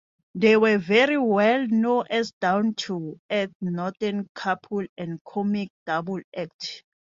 They were very well known as a down-to-earth northern couple and comic double act.